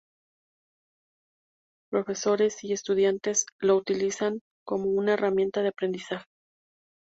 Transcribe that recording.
Profesores y estudiantes lo utilizan como una herramienta de aprendizaje.